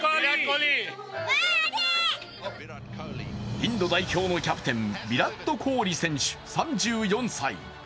インド代表のキャプテン、ヴィラット・コーリ選手、３４歳。